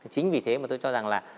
chính vì thế mà tôi cho rằng là